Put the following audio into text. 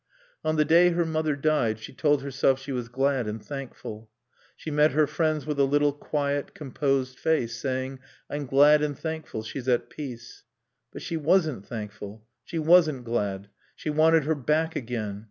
On the day her mother died she told herself she was glad and thankful. She met her friends with a little quiet, composed face, saying, "I'm glad and thankful she's at peace." But she wasn't thankful; she wasn't glad. She wanted her back again.